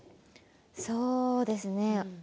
そうですね。